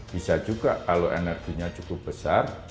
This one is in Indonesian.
bisa juga kalau energinya cukup besar